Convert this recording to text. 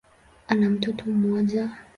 Ana mtoto mmoja.